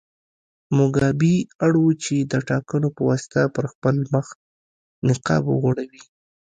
موګابي اړ و چې د ټاکنو په واسطه پر خپل مخ نقاب وغوړوي.